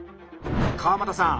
川股さん